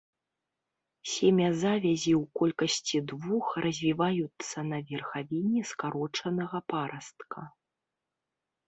Семязавязі ў колькасці двух развіваюцца на верхавіне скарочанага парастка.